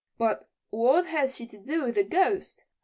"But what has she to do with the Ghost?"